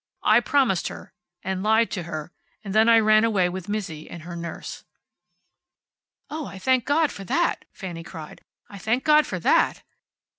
I promised her, and lied to her, and then I ran away with Mizzi and her nurse." "Oh, I thank God for that!" Fanny cried. "I thank God for that!